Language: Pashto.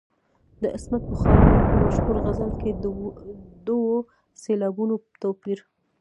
د عصمت بخارايي په مشهور غزل کې د دوو سېلابونو توپیر.